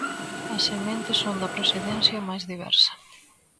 As sementes son da procedencia máis diversa.